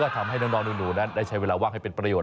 ทำให้น้องหนูนั้นได้ใช้เวลาว่างให้เป็นประโยชน